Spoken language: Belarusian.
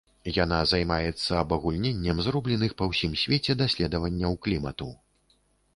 Яна займаецца абагульненнем зробленых па ўсім свеце даследаванняў клімату.